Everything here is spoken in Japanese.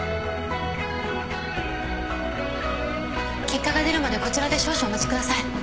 結果が出るまでこちらで少々お待ちください。